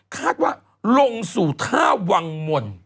คาดว่าลงสู่ท่าวังมล